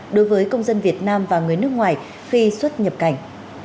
đối với công dân việt nam và người nước ngoài khi xuất nhập cảnh